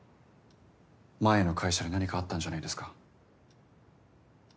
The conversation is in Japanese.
前の会社で何かあったんじゃないですか？